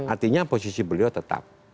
artinya posisi beliau tetap